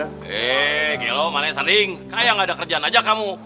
hei gila lo mana yang sering kayak nggak ada kerjaan aja kamu